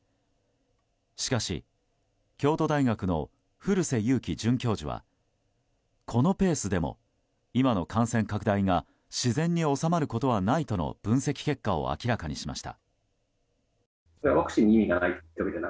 しかし、京都大学の古瀬祐気准教授はこのペースでも、今の感染拡大が自然に収まることはないとの分析結果を明らかにしました。